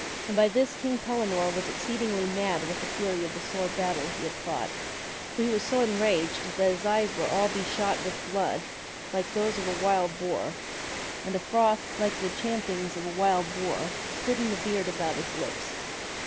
And by this King Pellinore was exceedingly mad with the fury of the sore battle he had fought. For he was so enraged that his eyes were all beshot with blood like those of a wild boar, and a froth, like the champ ings of a wild boar, stood in the beard about his lips.